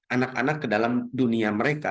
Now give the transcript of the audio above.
anak anak ke dalam dunia mereka